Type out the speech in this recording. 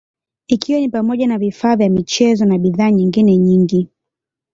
ikiwa ni pamoja na vifaa vya michezo na bidhaa nyengine nyingi